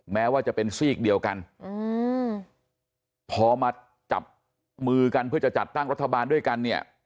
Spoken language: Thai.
แม้ว่าจะเป็นซีกเดียวกันอืมพอมาจับมือกันเพื่อจะจัดตั้งรัฐบาลด้วยกันเนี่ย